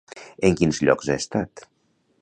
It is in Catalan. En quins llocs ha estat?